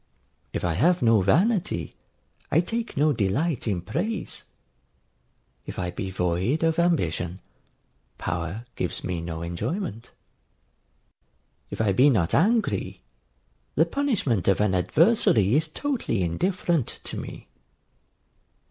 If I have no vanity, I take no delight in praise: if I be void of ambition, power gives me no enjoyment: if I be not angry, the punishment of an adversary is totally indifferent to me.